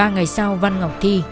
ba ngày sau văn ngọc thi